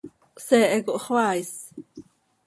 Seehe cohxoaa is.